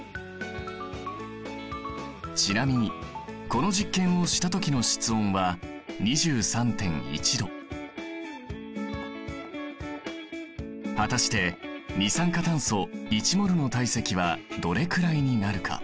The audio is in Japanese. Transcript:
ちなみにこの実験をしたときの室温は果たして二酸化炭素１ｍｏｌの体積はどれくらいになるか？